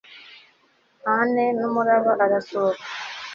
ane nu muraba urasohoka